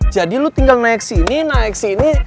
jadi lo tinggal naik sini naik sini